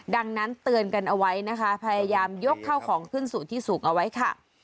ดังนั้นเตือนกันเอาไว้นะคะพยายามยกเข้าของขึ้นสู่ที่สูงเอาไว้ค่ะ